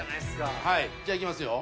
じゃあいきますよ。